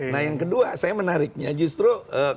nah yang kedua saya menariknya justru